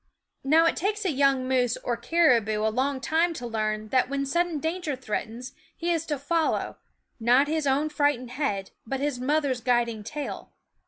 Now it takes a young moose or caribou a long time to learn that when sudden danger threatens he is to follow, not his own fright ened head, but his mother's guiding tail.